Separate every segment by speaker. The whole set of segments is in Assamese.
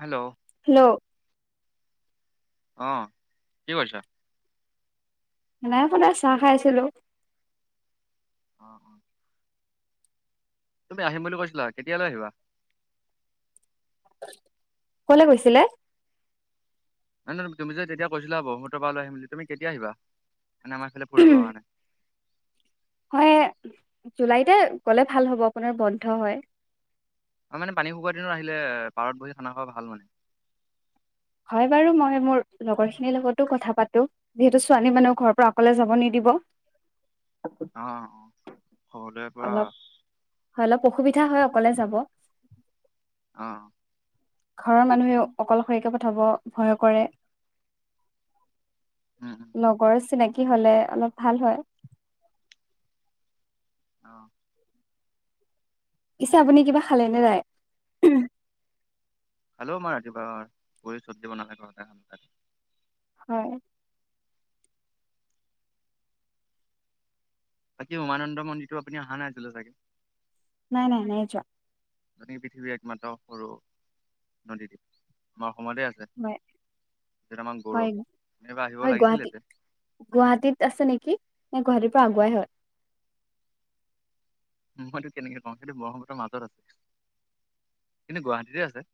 Speaker 1: হেল্ল'
Speaker 2: হেল্ল'
Speaker 1: অ' কি কৰিছ
Speaker 2: বনাই পেলাই চাহ খাইছিলোঁ
Speaker 1: অ, অ, তুমি আহিম বুলি কৈছিলা। কেতিয়ালৈ আহিবা?
Speaker 2: কলৈ গৈছিলে?
Speaker 1: নাই ন তুমি যে তেতিয়া কৈছিলা ব্ৰহ্মপুত্ৰ পাৰলৈ আহিম বুলি তুমি কেতিয়া আহিবা? মানে আমাৰ ফালে ফুৰিব অহা নাই।
Speaker 2: হয়, জুলাইতে গ'লে ভাল হ'ব আপোনাৰ বন্ধ হয়।
Speaker 1: আৰু মানে পানী শুকোৱাৰ দিনত আহিলে পাৰত বহি খানা খোৱা ভাল মানে।
Speaker 2: হয় বাৰু মই মোৰ লগৰ খিনিৰ লগতো কথা পাতো, যিহেতু ছোৱালী মানুহ ঘৰৰ পৰা অকলে যাব নিদিব।
Speaker 1: অ, অ, সৰদয় পৰা
Speaker 2: অলপ হয় অলপ অসুবিধা হয় অকলে যাব।
Speaker 1: অ'।
Speaker 2: ঘৰৰ মানুহেও অকলশৰীয়াকে পঠাব ভয় কৰে।
Speaker 1: উম উম
Speaker 2: লগৰ চিনাকী হ'লে অলপ ভাল হয়।
Speaker 1: অ'।
Speaker 2: পিছে আপুনি কিবা খালে নে নাই।
Speaker 1: খালো মই ৰাতিপুৱাসাজ পুৰি চব্জি বনালে ঘৰতে খালো।
Speaker 2: হয়।
Speaker 1: বাকী উমানন্দ মন্দিৰটো আপুনি অহা নাছিলে চাগে।
Speaker 2: নাই নাই নাই যোৱা
Speaker 1: নদী পৃথিৱীৰ একমাত্ৰ সৰু নদীদ্বীপ আমাৰ অসমতে আছে।
Speaker 2: হয়
Speaker 1: যিটো আমাৰ গৌৰৱ
Speaker 2: হয়,
Speaker 1: এইবাৰ আহিব
Speaker 2: হয়
Speaker 1: লাগিছিলে
Speaker 2: গুৱাহাটী
Speaker 1: ইয়াতে
Speaker 2: গুৱাহাটীত আছে নেকি? ন গুৱাহাটীৰ পৰা আগুৱাই হয়।
Speaker 1: মইতো কেনেকে কওঁ সেইটো বগতৰ মাজৰ আছে কিন্তু গুৱাহাটীতে আছে।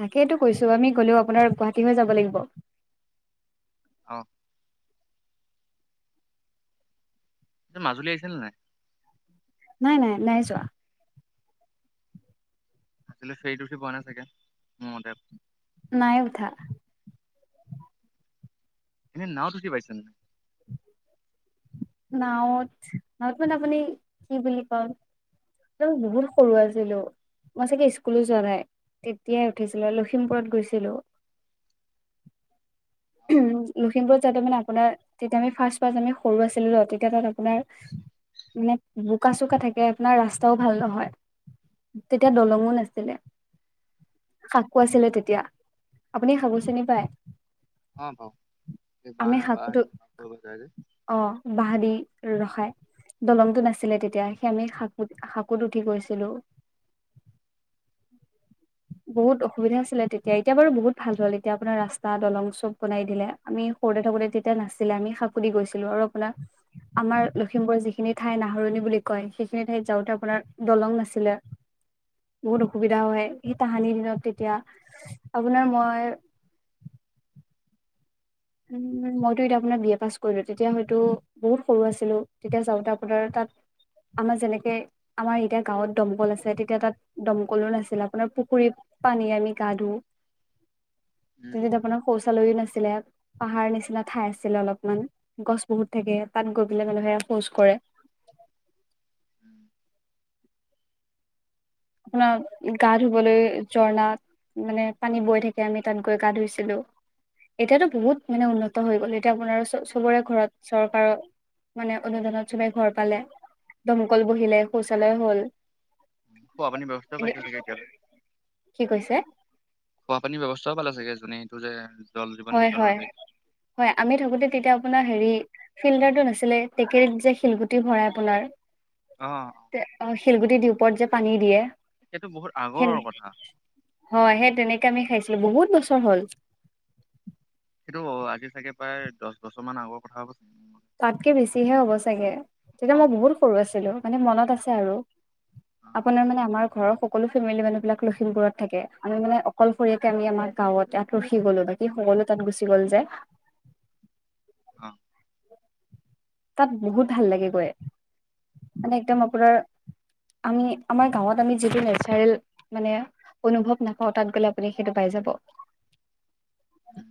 Speaker 2: তাকেইটো কৈছো আমি গলেও আপোনাৰ গুৱাহাটী হৈ যাব লাগিব।
Speaker 1: অ'। তই মাজুলী আহিছিলি নে নাই?
Speaker 2: নাই নাই নাই যোৱা।
Speaker 1: আজিলে ফেৰিত উঠি পোৱা নাই চাগে, মোৰ মতে।
Speaker 2: নাই উঠা।
Speaker 1: এনে নাওঁত উঠি পাইছানে নাই
Speaker 2: নওত নাওত মানে আপুনি কি বুলি কওঁ এ বহুত সৰু আছিলো। মই চাগে স্কুলো যোৱা নাই তেতিয়াই উঠিছিলো লখিমপুৰত গৈছিলো
Speaker 1: [inaudible]
Speaker 2: উম লখিমপুৰত যাওতে মানে আপোনাৰ তেতিয়া আমি ফাচ ফাচ আমি সৰু আছিলো তেতিয়া তাত আপোনাৰ মানে বোকা চোকা থাকে আপোনাৰ ৰাস্তাও ভাল নহয়। তেতিয়া দলঙো নাছিলে। শাকো আছিলে তেতিয়া আপুনি খাব চিনি পায়
Speaker 1: অ পাও, এ বা
Speaker 2: আমি শাকুটো
Speaker 1: বাহ'তে ফুৰিব যায় যে।
Speaker 2: ৰখায়। দলংটো নাছিলে তেতিয়া সেই আমি শাকু শাকুত উঠি গৈছিলো।
Speaker 1: [inaudible]
Speaker 2: বহুত অসুবিধা আছিলে তেতিয়া এতিয়া বাৰু বহুত ভাল হ'ল এতিয়া আপোনাৰ ৰাস্তা দলং চব বনাই দিলে। আমি সৰুতে থাকোতে তেতিয়া নাছিলে আমি সাকু দি গৈছিলো আৰু আপোনাৰ আমাৰ লখিমপুৰৰ যিখিনি ঠাই নাহৰণি বুলি কয় সেইখিনি ঠাইত যাওঁতে আপোনাৰ দলং নাছিলে। বহুত অসুবিধা হয়, সেই তাহানি দিনত তেতিয়া আপোনাৰ মই। উ মইতো এতিয়া আপোনাৰ বি এ পাছ কৰিলো। তেতিয়া হয়তো বহুত সৰু আছিলো। তেতিয়া চাওঁতে আপোনাৰ তাত। আমাৰ যেনেকে, আমাৰ এতিয়া গাঁৱত দমকল আছে। তেতিয়া তাত দম কলো নাছিল, আপোনাৰ পুখুৰীত। পানী আনি গা ধো।
Speaker 1: [inaudible]
Speaker 2: তেতিয়া
Speaker 1: উম
Speaker 2: আপোনাৰ শৌচালয়ো নাছিলে। পাহাৰ নিচিনা ঠাই আছিলে অলপমান। গছ বহুত থাকে, তাত গৈ পেলাই মানুহে শৌচ কৰে,
Speaker 1: উম
Speaker 2: আপোনাৰ গা ধুবলৈ জৰ্ণাক। মানে পানী বৈ থাকে, আমি তাত গৈ গা ধুইছিলো। এতিয়াতো বহুত মানে উন্নত হৈ গ'ল। এতিয়া আপোনাৰ চ চবৰে ঘৰত চৰকাৰৰ। মানে অনুদানত চবেই ঘৰ পালে। দমকল বহিলে, শৌচালয় হ'ল।
Speaker 1: খোৱাপানীৰ ব্যৱস্থাও
Speaker 2: এনে
Speaker 1: পাইছে চাগে এতিয়ালৈ।
Speaker 2: কি কৈছে
Speaker 1: খোৱাপানীৰ ব্যৱস্থা। চব ভালে আ চাগে। জুনে যে জল জীৱন
Speaker 2: হয়
Speaker 1: মিছনৰ
Speaker 2: হয়,
Speaker 1: যে
Speaker 2: হয় আমি থাকোতে তেতিয়া আপোনাৰ হেৰি। ফিল্ডাৰটো নাছিলে। টেকেলীত যে শিলগুটি ভৰাই আপোনাৰ।
Speaker 1: অ অ।
Speaker 2: শিলগুটি দি ওপৰত যে পানী দিয়ে।
Speaker 1: সেইটো বহুত আগৰ
Speaker 2: সেইটোৱেই,
Speaker 1: কথা
Speaker 2: হয় সেই তেনেকে আমি খাইছো। বহুত বছৰ হ'ল।
Speaker 1: এইটো, আজি চাগে প্ৰায় দহ বছৰ মান আগৰ কথা হ'ব। চাগে। মোৰ মতে।
Speaker 2: তাতকে, বেছিহে হ'ব চাগে। তেতিয়া
Speaker 1: অ
Speaker 2: মই বহুত সৰু আছিলো, মানে মনত আছে আৰু।
Speaker 1: অ
Speaker 2: আপোনাৰ মানে আমাৰ ঘৰত। সকলো ফেমেলি মানুহ বিলাক লখিমপুৰত থাকে। আমি মানে অকলশৰীয়াক আমি আমাৰ গাঁৱত ইয়াত ৰখি গ'লো, বাকি সকলো তাত গুচি গ'ল যে।
Speaker 1: অহ্।
Speaker 2: তাত বহুত ভাল লাগে গৈ। মানে একদম আপোনাৰ। আমি, আমাৰ গাঁৱত আমি যিটো নেচাৰেল, মানে অনুভৱ নাপাওঁ তাত গলে আপুনি সেইটো পাই। যাব।
Speaker 1: উম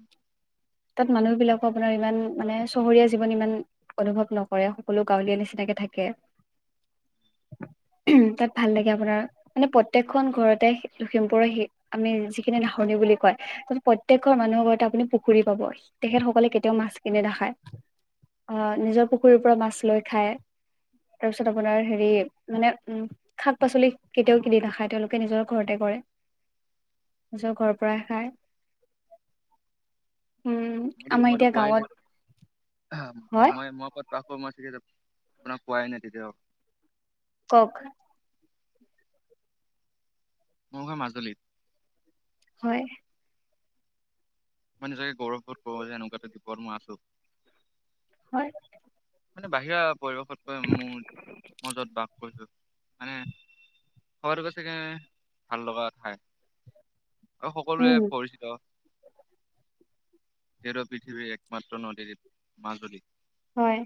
Speaker 2: তাত মানুহ বিলাকো আপোনাৰ ইমান, মানে চহৰীয়া জীৱন ইমান। অনুভৱ নকৰে। সকলো গাঁৱলীয়া নিচিনাকে থাকে।
Speaker 1: [unintelligible]
Speaker 2: উহ্ তাত ভাল লাগে আপোনাৰ। মানে প্ৰত্যেকখন ঘৰতে সেই লখিমপুৰৰ হে আমি যিখিনি নাহৰ বুলি কয়, প্ৰতেকৰ মানুহৰ ঘৰতে আপুনি পুখুৰী পাব। তেখেত সকলে কেতিয়াও মাছ কিনে নাখায়। আ, নিজৰ
Speaker 1: উম
Speaker 2: পুখুৰীৰ পৰা মাছ লৈ খায়। তাৰ পিছত আপোনাৰ হেৰি, মানে উম্ শাক পাচলি কেতিয়াও কিনি নাখায় তেওঁলোকে নিজৰ ঘৰতে কৰে।
Speaker 1: উ [unintelligible]
Speaker 2: নিজৰ ঘৰৰ পৰাহে খায়।
Speaker 1: [unintelligible]
Speaker 2: উম্,
Speaker 1: মইতো
Speaker 2: আমাৰ
Speaker 1: মইতো
Speaker 2: এতিয়া
Speaker 1: কোৱাই নাই
Speaker 2: গাঁৱত। হয়
Speaker 1: অ' মই, মই ক'ত বাস কৰো, মই চাগে আপোনাক কোৱাই নাই কেতিয়াও।
Speaker 2: ক'ক
Speaker 1: মোৰ ঘৰ মাজুলীত।
Speaker 2: হয়
Speaker 1: মই নিজকে গৌৰৱ বোধ কৰো, যে এনেকুৱা এটা দ্বীপত মই আছোঁ।
Speaker 2: হয়
Speaker 1: মানে, বাহিৰা পৰিৱেশতকৈ মোৰ ম'জত বাস কৰিছো মানে। হয় গৈ, চাগে ভাল লগা ঠাই। অ', সকলোৱে
Speaker 2: উম
Speaker 1: পৰিচিত। তেৰ পৃথিৱীৰ একমাত্ৰ নদীদ্বীপ মাজুলী।
Speaker 2: হয়।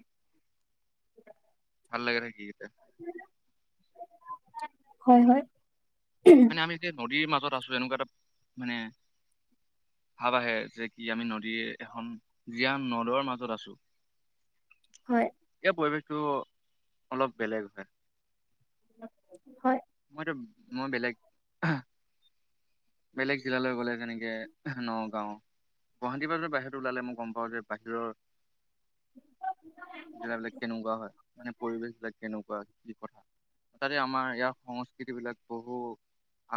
Speaker 1: ভাল লাগে থাকিয়া
Speaker 2: হয় হয়।
Speaker 1: মানে আমি যেতিয়া নদীৰ মাজত আছো এনেকুৱা এটা মানে ভাব আহে যে কি আমি নদীৰ এখন জীয়াম নদৰ মাজত আছো।
Speaker 2: হয়
Speaker 1: এ পৰিৱেশটো অলপ বেলেগ হয়।
Speaker 2: হয়
Speaker 1: মইত মই বেলেগ বেলেগ জিলালৈ গ'লে তেনেকে নগাঁও গুৱাহাটীৰ পৰাদি বাহিৰত ওলালে মই গম পাওঁ যে বাহিৰৰ জেগাবিলাক কেনেকুৱা হয় মানে পৰিবেশ বিলাক কেনেকুৱা কি কথা? তঠতে আমাৰ ইয়াৰ সংস্কৃতিবিলাক বহু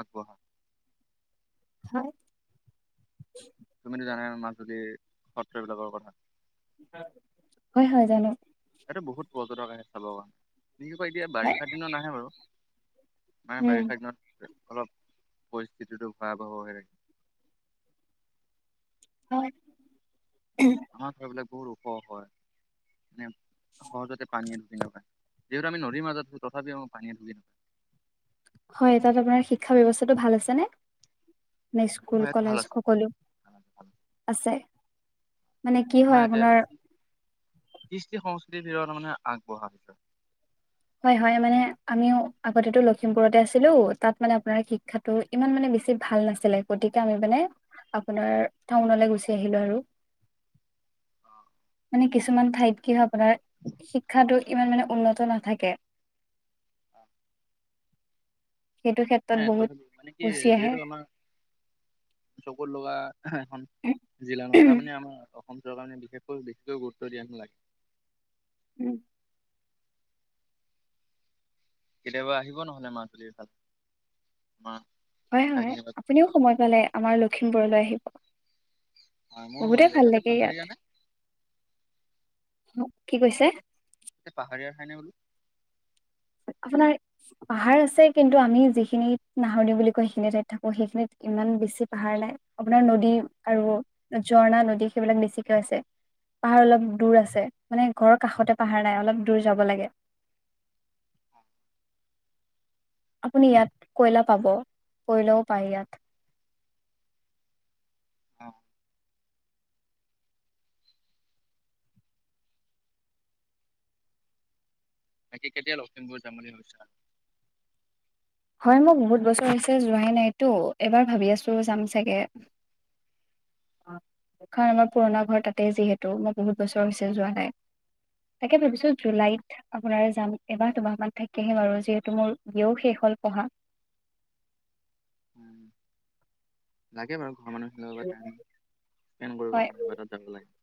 Speaker 1: আগবঢ়া।
Speaker 2: হয়।
Speaker 1: তুমিতো জানা মাজুলীৰ সত্ৰবিলাকৰ কথা।
Speaker 2: হয়, হয়, জানো।
Speaker 1: এইটো বহুত পৰ্যটক আহে চাবৰ কাৰণে। নকি কয় এতিয়া
Speaker 2: হয়
Speaker 1: বাৰিষা দিনত নাহে বাৰু, মানে
Speaker 2: উম
Speaker 1: বাৰিষা দিনত অলপ পৰিস্থিতিটো ভয়াবহ
Speaker 2: হয়।
Speaker 1: আমাৰ ঘৰবিলাক বহুত ওখ হয়, মানে সহজতে পানীয়ে ধুকি নাপাই। যিহেতু আমি নদীৰ মাজত থাকো তথাপিও আমাক পানীয়ে ঢুকি নাপাই।
Speaker 2: হয় তাত আপোনাৰ শিক্ষা ব্যৱস্থটো ভাল আছেনে? স্কুল
Speaker 1: হয় ইয়াত ভাল
Speaker 2: কলেজ
Speaker 1: আছে
Speaker 2: সকলো
Speaker 1: ভাল আছে ভাল আছে
Speaker 2: আছে। মানে কি হয়
Speaker 1: আমাৰ ইয়াতে
Speaker 2: আপোনাৰ
Speaker 1: কৃষ্টি-সংস্কৃতিৰ ভিতৰত মানে আগবঢ়া হৈছে।
Speaker 2: হয় হয় মানে আমিও আগতেটো লখিমপুৰতে আছিলো তাত মানে আপোনাৰ শিক্ষাটো ইমান মানে বেছি ভাল নাছিলে গতিকে আমি মানে আপোনাৰ টাউন গুচি আহিলো আৰু।
Speaker 1: [inaudible]
Speaker 2: মানে কিছুমান ঠাইত কি হয় আপোনাৰ শিক্ষাটো ইমান মানে উন্নত নাথাকে।
Speaker 1: অ।
Speaker 2: সেইটো
Speaker 1: হ
Speaker 2: ক্ষেত্ৰত
Speaker 1: তথ
Speaker 2: বহুত
Speaker 1: মানে কি
Speaker 2: গুচি আহে
Speaker 1: যিহেতু আমাৰ চকুৰ লগা এখন জিলা নহয় তাৰমানে আমাৰ অসম চৰকাৰ কাৰণে বিশেষকৈ বেছিকৈ গুৰুত্ব দিয়া নালাগে
Speaker 2: উম।
Speaker 1: কেতিয়াবা আহিব নহলে মাজুলীৰ ফালে মাহ
Speaker 2: হয় হয় আপুনিও সময় পালে আমাৰ লক্ষিমপুৰলৈ আহিব।
Speaker 1: হয় মোৰো মন
Speaker 2: বহুৰে
Speaker 1: যায়
Speaker 2: ভাল
Speaker 1: তাতে
Speaker 2: লাগে
Speaker 1: পাহাৰীয়া
Speaker 2: ইয়াত।
Speaker 1: নে
Speaker 2: কি কৈছে?
Speaker 1: এয়া পাহাৰীয়াৰ ঠাই নে বোলো?
Speaker 2: আপোনাৰ পাহাৰ আছে কিন্তু আমি যিখিনিত নাহৰ দিও বুলি কয়, সেইখিনি ঠাইত থাকো সেইখিনিত ইমান বেছি পাহাৰ নাই, আপোনাৰ নদী আৰু ঝৰ্ণা, নদী, সেইবিলাক বেছিকে আছে। পাহাৰ অলপ দূৰ আছে মানে ঘৰৰ কাষতে পাহাৰ নাই অলপ দূৰ যাব লাগে।
Speaker 1: [inaudible]
Speaker 2: আপুনি ইয়াত কয়লা পাব কয়লাও পায় ইয়াত।
Speaker 1: অ'। বাকি কেতিয়া লখিমপুৰ যাম বুলি ভাবিছা?
Speaker 2: হয় মোক বহুত বছৰ হৈছে যোৱাই নাইতো এবাৰ ভাবি আছো চাম চাগে। খন আমাৰ পুৰণা ঘৰ তাতে যিহেতু মই বহুত বছৰ হৈছে যোৱা নাই। তাকে ভাবিছো জুলাইত আপোনাৰ যাম এবাৰ দুমাহমান থাকি আহিম আৰু যিহেতু মোৰ বিয়েও শেষ হ'ল। অহা
Speaker 1: উ লাগে বাৰু ঘ মানুহখিনাই স্পে কৰিব পৰা
Speaker 2: হয়
Speaker 1: নাই বা তাত যাব লাগে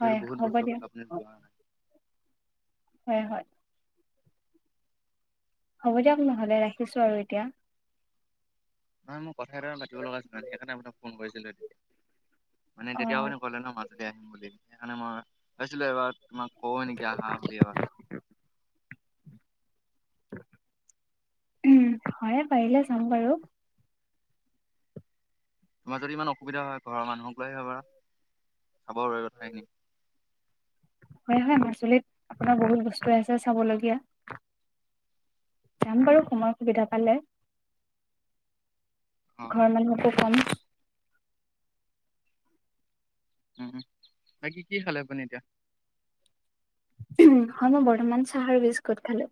Speaker 2: হয়
Speaker 1: বহুত
Speaker 2: হ'ব দিয়ক
Speaker 1: বৰসলপনি যাই
Speaker 2: হয়। হয়। হ'ব দিয়ক নহলে ৰাখিছো আৰু এতিয়া
Speaker 1: নহয়, মোৰ কথা এটা পাতিব লগা আছিলে, সেইকাৰণে আপোনাক ফোন কৰিছিলো। তেতিয়া মানে
Speaker 2: অ
Speaker 1: তেতিয়া আপোনি কলে ন মাজুলী আহিম বুলি সেইকাৰণে মই ভাবিছিলো এবাৰ তোমাক কও নেকি আহা বুলি এবাৰ
Speaker 2: উম হয়ে পাৰিলে যাম বাৰু
Speaker 1: তোমাৰ যদি ইমান অসুবিধা হয়, ঘৰৰ মানুহক লৈ আহিব পাৰা। খাব আৰু কথাখিনিম [inaudible]
Speaker 2: হয় হয় মাচুলিত আপোনাৰ বহুত বস্তু আছে চাবলগীয়া যাম বাৰু কয় সময় সুবিধা পালে
Speaker 1: অ',
Speaker 2: ঘৰ মানুহকো ক'ম।
Speaker 1: উম উ বাকী কি খালে আপুনি এতিয়া
Speaker 2: হয় মই বৰ্তমান চাহ আৰু বিস্কুট খালো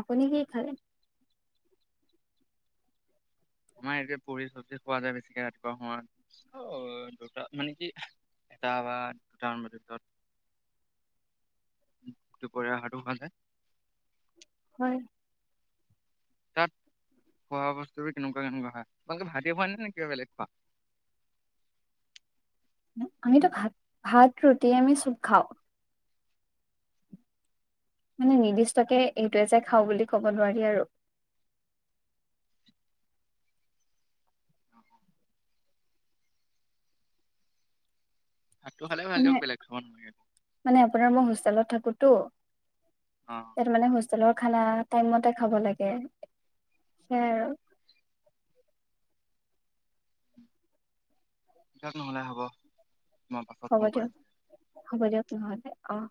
Speaker 2: আপুনি কি খালে
Speaker 1: আমাৰ এতিয়া পুৰি-চবজি খোৱা যায় বেছিকে ৰাতিপুৱা সময়ত। ত' দুটা মানে কি এটা বা দুটা মান বজাৰ পিছত দুপৰীয়া আহাৰ টো খালে
Speaker 2: হয়।
Speaker 1: তাত খোৱা বস্তু কেনেকুৱা কেনেকুৱা হয় আপোনালোকে ভাতে খোৱা নে নে কিবা বেলেগ খোৱা
Speaker 2: আমিতো ভাত -ভাত, ৰুটি আমি চব খাওঁ। মানে নিৰ্দিষ্টকে এইটোৱে যে খাওঁ বুলি ক'ব নোৱাৰি আৰু।
Speaker 1: ভাতটো খালে ভাল
Speaker 2: মানে
Speaker 1: দিয়ক বেলেগ খাব নালাগে।
Speaker 2: মানে আপোনাৰ মই হোষ্টেলত থাকোতো
Speaker 1: অ',
Speaker 2: ইয়াত মানে হোষ্টেলৰ খানা টাইম মতে খাব লাগে। সেইয়াই আৰু।
Speaker 1: দিয়ক নহ'লে হ'ব। মই পাছত
Speaker 2: হ'ব
Speaker 1: ফোন
Speaker 2: দিয়ক
Speaker 1: কৰিম।
Speaker 2: হ'ব দিয়ক নহ'লে। অ'হ।